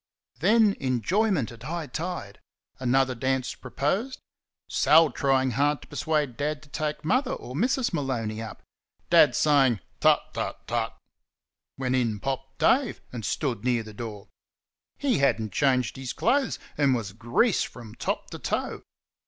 Then enjoyment at high tide; another dance proposed; Sal trying hard to persuade Dad to take Mother or Mrs. Maloney up; Dad saying "Tut, tut, tut!" when in popped Dave, and stood near the door. He had n't changed his clothes, and was grease from top to toe.